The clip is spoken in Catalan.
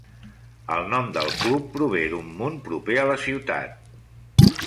El nom del club prové d'un munt proper a la ciutat.